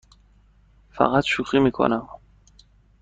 فقط شوخی می کنم.